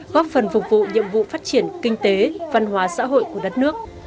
góp phần phục vụ nhiệm vụ phát triển kinh tế văn hóa xã hội của đất nước